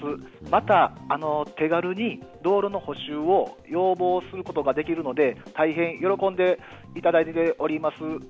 また、手軽に道路の補修を要望することができるので、大変喜んでいただいております。